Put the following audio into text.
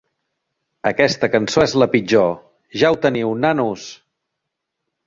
Aquesta cançó és la pitjor... Ja ho teniu, nanos!